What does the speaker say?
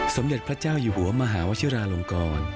สมเด็จพระเจ้าอยู่หัวมหาวชิราลงกร